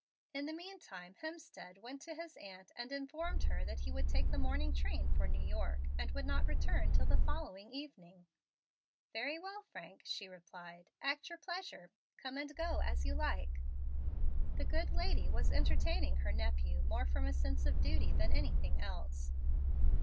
In the mean time Hemstead went to his aunt and informed her that he would take the morning train for New York, and would not return till the following evening. "Very well, Frank," she replied; "act your pleasure. Come and go as you like." The good lady was entertaining her nephew more from a sense of duty than anything else.